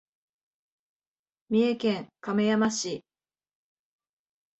三重県亀山市